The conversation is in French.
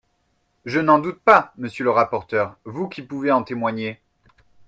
Je n’en doute pas, monsieur le rapporteur, vous qui pouvez en témoigner.